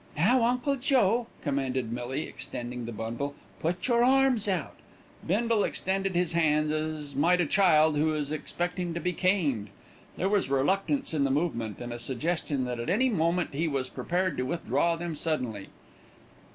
"Now, Uncle Joe," commanded Millie, extending the bundle, "put your arms out." Bindle extended his hands as might a child who is expecting to be caned. There was reluctance in the movement, and a suggestion that at any moment he was prepared to withdraw them suddenly.